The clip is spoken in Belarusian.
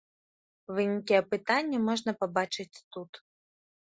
Вынікі апытання можна пабачыць тут.